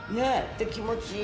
で気持ちいい。